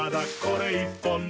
これ１本で」